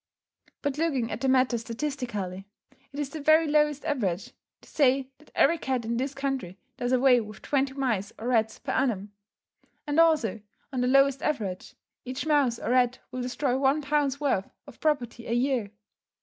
But looking at the matter statistically: it is the very lowest average to say that every cat in this country does away with twenty mice or rats per annum; and, also, on the lowest average, each mouse or rat will destroy one pound's worth of property a year.